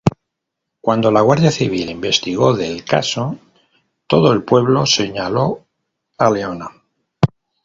Cuando la Guardia Civil investigó del caso, todo el pueblo señaló a Leona.